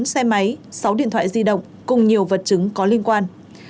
bốn xe máy sáu điện thoại di động cùng nhiều vật chứng có liên quan